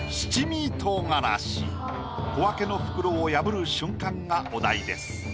小分けの袋を破る瞬間がお題です。